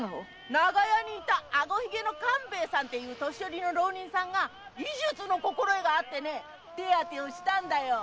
長屋の官兵衛さんという年寄りの浪人さんが医術の心得があって手当てをしたんだよ。